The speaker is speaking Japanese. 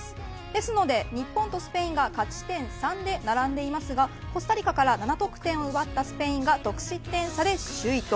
ですので、日本とスペインが勝ち点３で並んでいますがコスタリカから７得点を奪ったスペインが、得失点差で首位と。